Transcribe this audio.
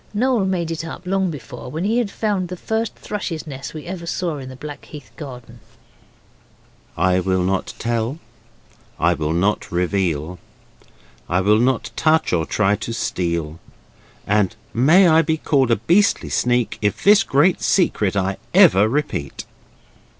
Noel made it up long before, when he had found the first thrush's nest we ever saw in the Blackheath garden: 'I will not tell, I will not reveal, I will not touch, or try to steal; And may I be called a beastly sneak, If this great secret I ever repeat.